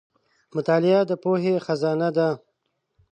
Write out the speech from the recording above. • مطالعه د پوهې خزانه ده.